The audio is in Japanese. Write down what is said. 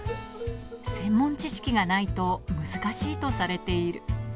専門知識がないと難しいとされている。